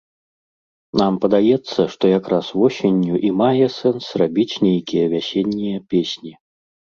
Нам падаецца, што як раз восенню і мае сэнс рабіць нейкія вясеннія песні.